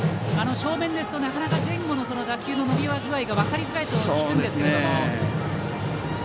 正面ですとなかなか前後の打球の伸び具合が分かりづらいと聞くんですけども。